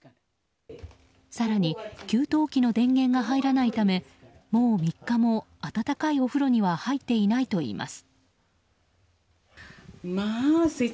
更に給湯器の電源が入らないためもう３日も温かいお風呂には入っていないといいます。